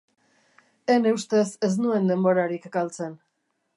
Ene ustez ez nuen denborarik galtzen.